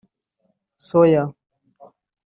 soya